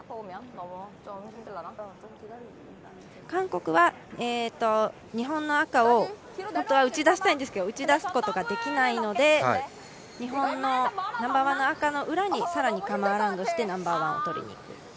韓国は日本の赤を本当は打ち出したいんですけど、打ち出すことができないので日本のナンバーワンの赤の裏に更にカム・アラウンドしてナンバーワンを取りに行く。